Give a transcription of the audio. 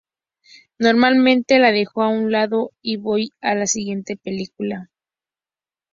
Normalmente la dejo a un lado y voy a la siguiente película.